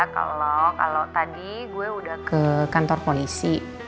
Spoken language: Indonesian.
kalau kalau tadi gue udah ke kantor polisi